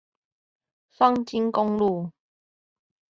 雙菁公路